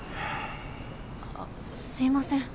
あっすいません